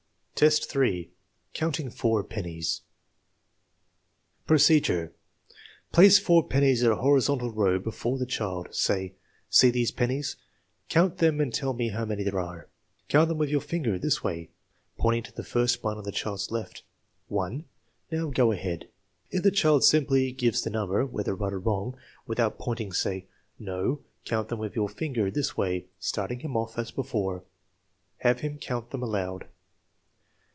IV, 3. Counting four pennies Procedure. Place four pennies in a horizontal row before the child. Say: " See these pennies. Count them and tell me how many there are. Count them with your finger, this way " (pointing to the first one on the child's left) " One " "Now, go ahead." If the child simply gives the number (whether right or wrong) without pointing, say: *' No; count them with your finger, this way," starting him off as before. Have him count them aloud.